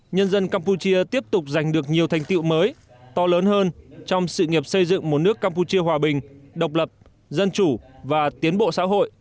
nhân dân campuchia tiếp tục giành được nhiều thành tiệu mới to lớn hơn trong sự nghiệp xây dựng một nước campuchia hòa bình độc lập dân chủ và tiến bộ xã hội